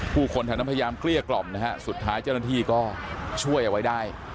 คนแถวนั้นพยายามเกลี้ยกล่อมนะฮะสุดท้ายเจ้าหน้าที่ก็ช่วยเอาไว้ได้